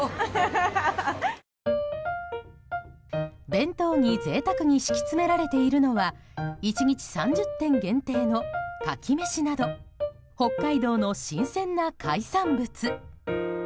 弁当に贅沢に敷き詰められているのは１日３０点限定のかき飯など北海道の新鮮な海産物。